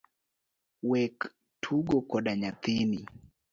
Wek tugo koda nyathini